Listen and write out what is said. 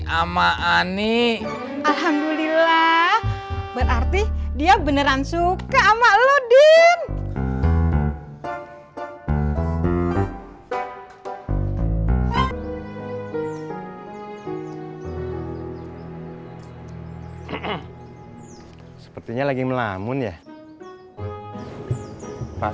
sama ani alhamdulillah berarti dia beneran suka ama lo din sepertinya lagi melamun ya pak